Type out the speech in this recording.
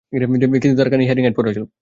কিন্তু তার কানে হিয়ারিং এইড পরা ছিল।